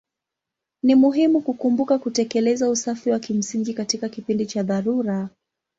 Ni muhimu kukumbuka kutekeleza usafi wa kimsingi katika kipindi cha dharura.